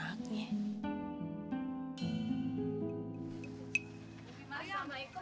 rawun kan juga anaknya